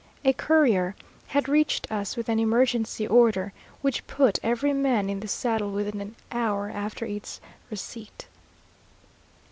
A courier had reached us with an emergency order, which put every man in the saddle within an hour after its receipt.